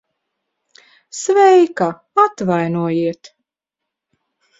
Sveika. Atvainojiet...